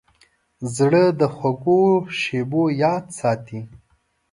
زړه د خوږو شیبو یاد ساتي.